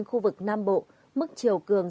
khu vực nam bộ mức chiều cường